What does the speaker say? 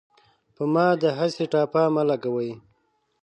په ما داهسې ټاپه مه لګوۍ